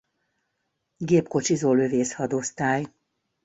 Gépkocsizó Lövészhadosztály.